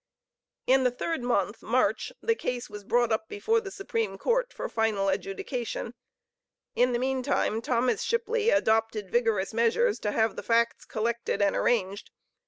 In the Third month, (March,) the case was brought up before the Supreme Court for final adjudication. In the meantime, Thomas Shipley adopted vigorous measures to have the facts collected and arranged.